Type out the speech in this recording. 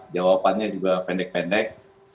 jawabannya juga pendek pendek